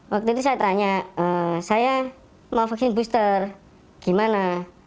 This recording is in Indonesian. waktu itu saya tanya saya mau vaksin booster gimana